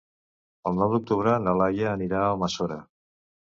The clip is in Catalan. El nou d'octubre na Laia anirà a Almassora.